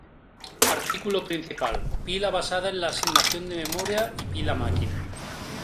Artículo principal: Pila basada en la asignación de memoria y Pila máquina.